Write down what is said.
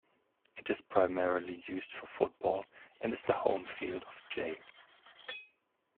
It is primarily used for football, and is the home field of J.